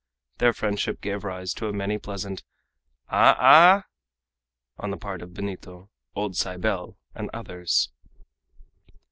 Their friendship gave rise to many a pleasant, "Ah, ah!" on the part of Benito, old Cybele, and others.